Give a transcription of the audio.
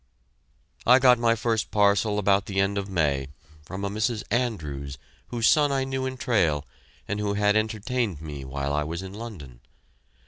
I got my first parcel about the end of May, from a Mrs. Andrews whose son I knew in Trail and who had entertained me while I was in London.